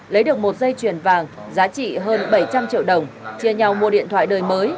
lấy được một dây chuyền vàng giá trị hơn bảy trăm linh triệu đồng chia nhau mua điện thoại đời mới